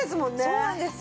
そうなんですよ。